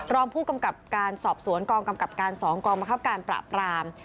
รองผู้กำกับการสอบสวนกองกำกับการ๒กองบังคับการปราบราม